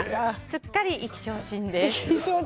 すっかり意気消沈です。